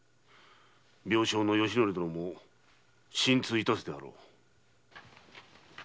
病床の吉徳殿も心痛致すであろう。